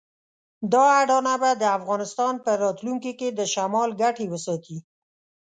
دا اډانه به د افغانستان په راتلونکي کې د شمال ګټې وساتي.